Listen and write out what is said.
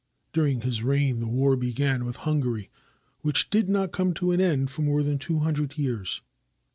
During his reign the war began with Hungary which did not come to an end for more than two hundred years.